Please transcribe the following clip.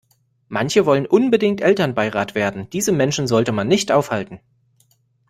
Manche wollen unbedingt Elternbeirat werden, diese Menschen sollte man nicht aufhalten.